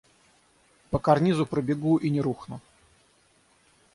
По карнизу пробегу и не рухну.